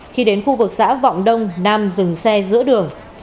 khi đến khu vực xã vọng đông nam dừng xe giữa đường